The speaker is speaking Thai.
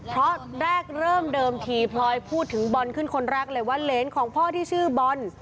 เพราะแรกเริ่มเดิมทีพลอยพูดถึงบอลขึ้นคนแรกเลยว่าเหรนของพ่อที่ชื่อบอล